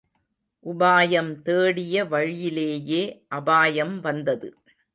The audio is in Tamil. உபாயம் தேடிய வழியிலேயே அபாயம் வந்தது.